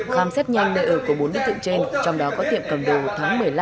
khám xét nhanh nơi ở của bốn đối tượng trên trong đó có tiệm cầm đồ tháng một mươi năm